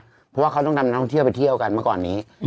เพราะว่าเขาต้องนำท่องเที่ยวไปเที่ยวกันเมื่อก่อนนี้